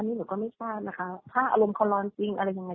นี่หนูก็ไม่ทราบนะคะถ้าอารมณ์เขาร้อนจริงอะไรยังไง